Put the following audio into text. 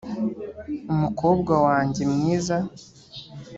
umukobwa wanjye mwiza.